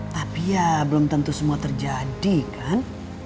tapi ya belum tentu semua terjadi kan